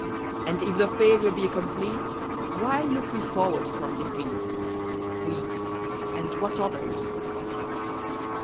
11781 And if the failure be complete, Why look we forward from defeat — We, and what others?